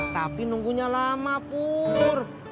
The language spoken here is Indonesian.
tapi nunggunya lama pur